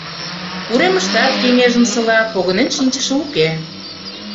Уремыштат кеҥежымсыла погынен шинчыше уке.